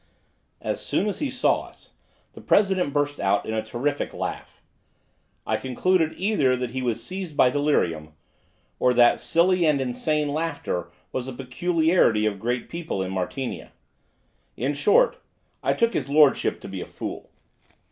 As soon as he saw us, the president burst out in a terrific laugh. I concluded either that he was seized by delirium, or that silly and insane laughter was a peculiarity of great people in Martinia. In short, I took his lordship to be a fool.